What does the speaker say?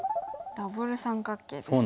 ダブル三角形ですね。